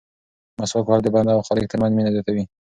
مسواک وهل د بنده او خالق ترمنځ مینه زیاتوي.